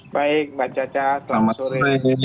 baik mbak caca selamat sore